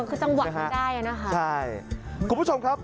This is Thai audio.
ก็คือสังหวัดมันได้นะครับใช่คุณผู้ชมครับ